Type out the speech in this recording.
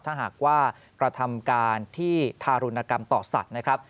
ถ้าหากว่ากระทำการที่ทารุณกรรมต่อสัตว์นะครับ